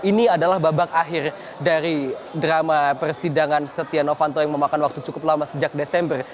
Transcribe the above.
ini adalah babak akhir dari drama persidangan setia novanto yang memakan waktu cukup lama sejak desember